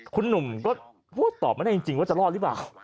คุณหนุ่มก็พูดตอบไม่ได้จริงว่าจะรอดหรือเปล่า